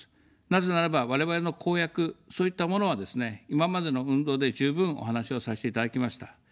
なぜならば、我々の公約、そういったものはですね、今までの運動で十分お話をさせていただきました。